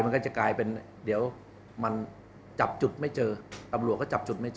มันก็จะกลายเป็นเดี๋ยวมันจับจุดไม่เจอตำรวจก็จับจุดไม่เจอ